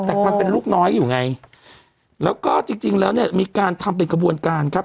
แต่มันเป็นลูกน้อยอยู่ไงแล้วก็จริงจริงแล้วเนี่ยมีการทำเป็นกระบวนการครับ